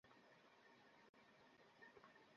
আমি খতম, শেষ।